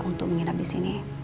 untuk menginap disini